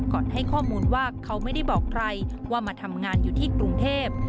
ให้ข้อมูลว่าเขาไม่ได้บอกใครว่ามาทำงานอยู่ที่กรุงเทพ